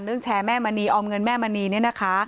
แชร์แม่มณีออมเงินแม่มณีเนี่ยนะคะ